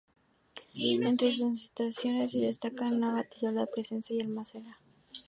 Entre sus instalaciones destaca una batidora, una prensa y la almazara.